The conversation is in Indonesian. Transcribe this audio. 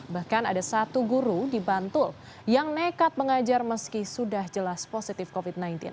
bahkan ada satu guru di bantul yang nekat mengajar meski sudah jelas positif covid sembilan belas